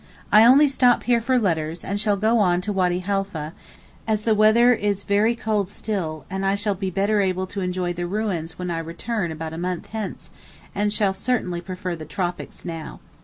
I only stop here for letters and shall go on at once to Wady Halfeh, as the weather is very cold still, and I shall be better able to enjoy the ruins when I return about a month hence, and shall certainly prefer the tropics now.